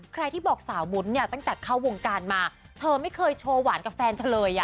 ที่บอกสาววุ้นเนี่ยตั้งแต่เข้าวงการมาเธอไม่เคยโชว์หวานกับแฟนเธอเลย